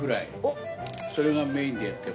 それがメインでやってます。